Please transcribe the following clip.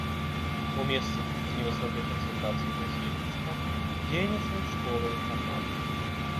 У месцах з невысокай канцэнтрацыяй насельніцтва дзейнічаюць школы-інтэрнаты.